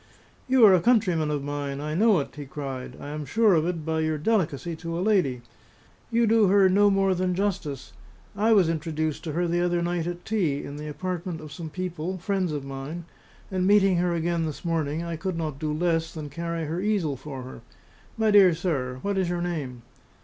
"You are a countryman of mine; I know it!" he cried: "I am sure of it by your delicacy to a lady. You do her no more than justice. I was introduced to her the other night at tea, in the apartment of some people, friends of mine; and meeting her again this morning, I could not do less than carry her easel for her. My dear sir, what is your name?"